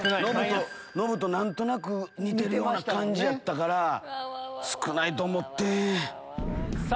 ノブと何となく似てるような感じやったから少ないと思ってん。